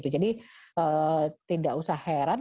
jadi tidak usah heran